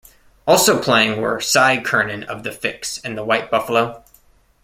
Also playing were Cy Curnin of The Fixx, and The White Buffalo.